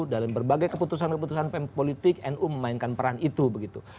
dalam berbagai keputusan keputusan politik nu memainkan peran itu begitu